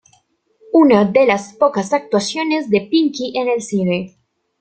Una de las pocas actuaciones de Pinky en el cine.